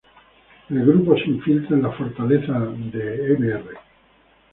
El grupo se infiltran en la fortaleza de Mr.